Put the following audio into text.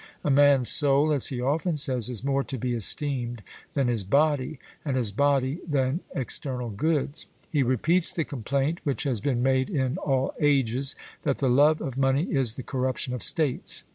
A man's soul, as he often says, is more to be esteemed than his body; and his body than external goods. He repeats the complaint which has been made in all ages, that the love of money is the corruption of states.